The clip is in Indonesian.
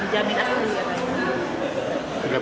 ya sampai jam empat sudah